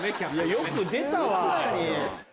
よく出たわ！